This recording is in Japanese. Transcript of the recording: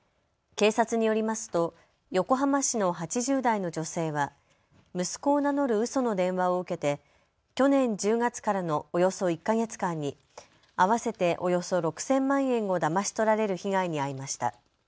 警察によりますと横浜市の８０代の女性は息子を名乗るうその電話を受けて去年１０月からのおよそ１か月間に合わせておよそ６０００万円をだまし取られる被害に遭いました。